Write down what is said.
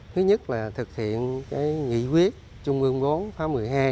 thứ nhất là thực hiện nghị quyết trung ương bốn khóa một mươi hai